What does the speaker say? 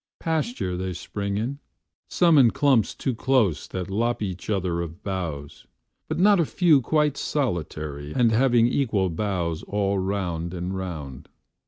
Pasture they spring in, some in clumps too closeThat lop each other of boughs, but not a fewQuite solitary and having equal boughsAll round and round.